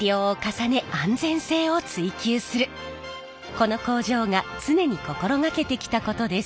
この工場が常に心掛けてきたことです。